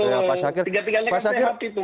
betul tiga tiganya kan sehat itu